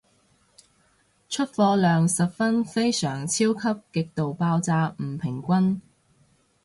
出貨量十分非常超級極度爆炸唔平均